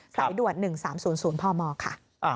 สายด่วน๑๓๐๐พมค่ะ